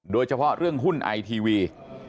โดยเฉพาะเรื่องหุ้นไอทีวี